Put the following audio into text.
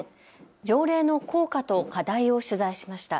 条例の効果と課題を取材しました。